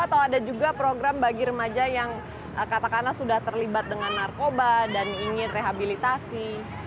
atau ada juga program bagi remaja yang katakanlah sudah terlibat dengan narkoba dan ingin rehabilitasi